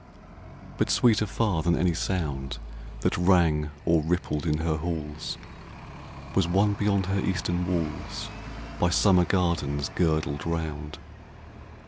70 TO INA COOLBRITH But sweeter far than any sound That rang or rippled in her halls, Was one beyond her eastern walls, By summer gardens girdled round.